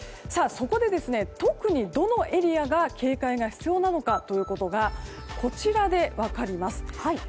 そこで、特にどのエリアが警戒が必要なのかということがこちらで分かります。